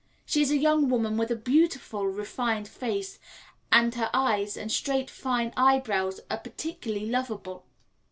She is a young woman with a beautiful, refined face, and her eyes and straight, fine eyebrows are particularly lovable.